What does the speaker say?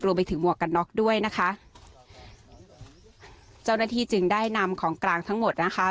หมวกกันน็อกด้วยนะคะเจ้าหน้าที่จึงได้นำของกลางทั้งหมดนะคะ